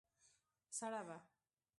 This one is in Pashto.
سړه وه.